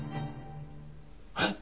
えっ！？